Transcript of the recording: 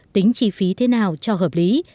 tính chi phí thế nào cho hợp lý